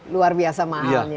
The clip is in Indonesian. luar biasa mahalnya